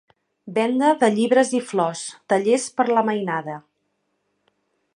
Venda de llibres i flors, tallers per a la mainada.